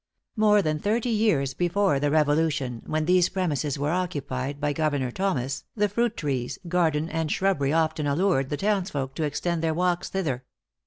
More than thirty years before the Revolution, when these premises were occupied by Governor Thomas, the fruit trees, garden, and shrubbery often allured the townsfolk to extend their walks thither.